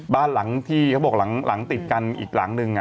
บ้านหลังที่เขาบอกหลังติดกันอีกหลังนึง